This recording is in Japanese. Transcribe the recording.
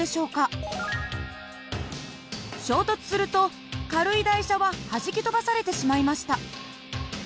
衝突すると軽い台車ははじき飛ばされてしまいました。